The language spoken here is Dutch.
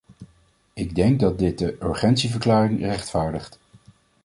Ik denk dat dit de urgentieverklaring rechtvaardigt.